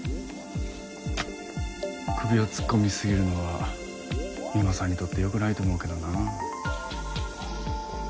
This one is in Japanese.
首を突っ込みすぎるのは三馬さんにとってよくないと思うけどな。